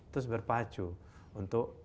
terus berpacu untuk